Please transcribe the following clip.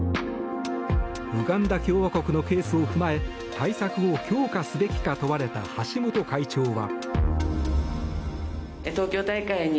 ウガンダ共和国のケースを踏まえ対策を強化すべきか問われた橋本会長は。